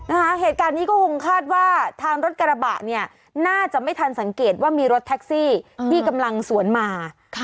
นะคะเหตุการณ์นี้ก็คงคาดว่า